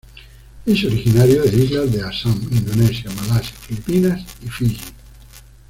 Es originario de islas de Assam, Indonesia, Malasia, Filipinas y Fiyi.